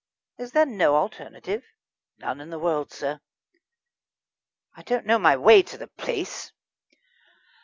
"Is there no alternative?" "None in the world, sir." "I don't know my way to the place."